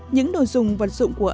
những đồ dùng vật dụng của ông